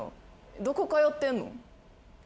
どこ通ってんの？